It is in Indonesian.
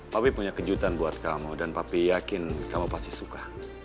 papi punya kejutan buat kamu dan papi yakin kamu pasti suka